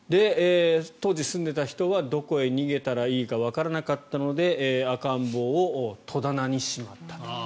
当時、住んでいた人はどこへ逃げたらいいかわからなかったので赤ん坊を戸棚にしまったと。